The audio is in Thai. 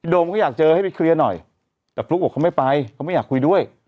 มเขาอยากเจอให้ไปเคลียร์หน่อยแต่ฟลุ๊กบอกเขาไม่ไปเขาไม่อยากคุยด้วย